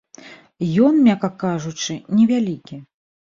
Ён, мякка кажучы, невялікі.